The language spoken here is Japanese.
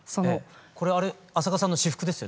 これ朝夏さんの私服ですよね？